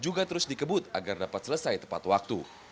juga terus dikebut agar dapat selesai tepat waktu